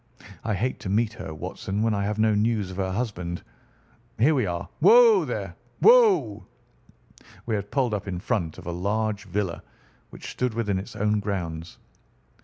I hate to meet her, Watson, when I have no news of her husband. Here we are. Whoa, there, whoa!" We had pulled up in front of a large villa which stood within its own grounds.